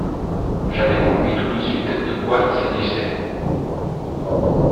J’avais compris tout de suite de quoi il s'agissait.